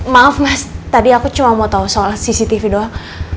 maaf mas tadi aku cuma mau tahu soal cctv doang